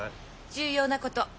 重要なこと。